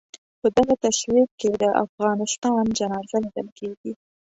په دغه تصویر کې د افغانستان جنازه لیدل کېږي.